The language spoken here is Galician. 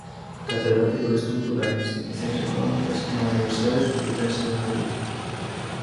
Catedrático de Estrutura e Institucións Económicas na Universidade Complutense de Madrid.